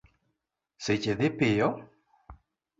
Seche dhi piyo